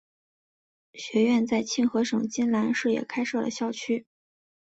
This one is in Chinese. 学院在庆和省金兰市也开设了校区。